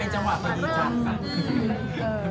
ต่างคนต่างเลิก